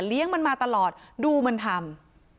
เลี้ยงมาตลอดดูมันทำ